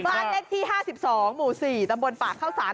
บ้านเลขที่๕๒หมู่๔ตำบลปากเข้าสาร